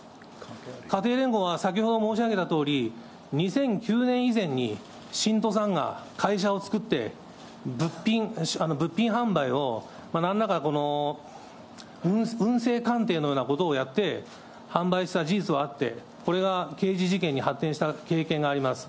家庭連合は、先ほど申し上げたとおり、２００９年以前に、信徒さんが会社を作って、物品販売をなんらかこの、運勢鑑定のようなことをやって販売した事実はあって、これが刑事事件に発展した経験があります。